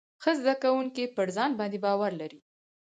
ښه زده کوونکي پر ځان باندې باور لري.